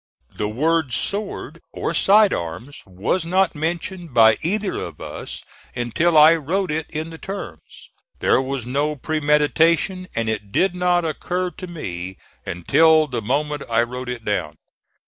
The word sword or side arms was not mentioned by either of us until I wrote it in the terms. There was no premeditation, and it did not occur to me until the moment I wrote it down.